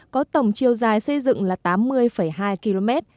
có tổng chiều dài xây dựng là tám mươi hai km